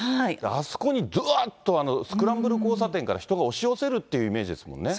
あそこにどわーっとスクランブル交差点から人が押し寄せるというイメージですもんね。